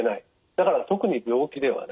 だから特に病気ではない。